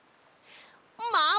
ママ！